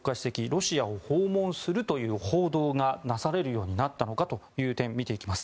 ロシアを訪問するという報道がなされるようになったのかという点を見ていきます。